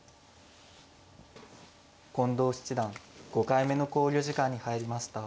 近藤七段５回目の考慮時間に入りました。